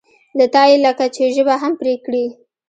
له تا یې لکه چې ژبه هم پرې کړې.